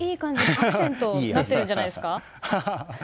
アクセントになってるんじゃないですか。